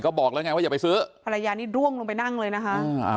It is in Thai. ก็บอกแล้วไงว่าอย่าไปซื้อภรรยานี่ร่วงลงไปนั่งเลยนะคะอ่า